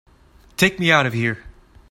Take me out of here!